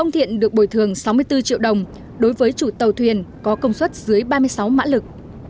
tỉnh có công suất dưới ba mươi sáu mã lực